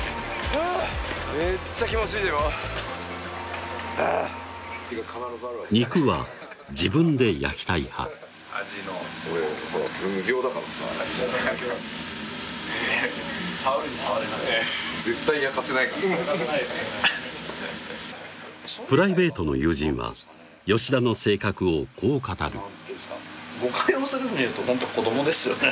はぁめっちゃ気持ちいいでも肉は自分で焼きたい派プライベートの友人は吉田の性格をこう語る誤解を恐れずに言うとホント子どもですよね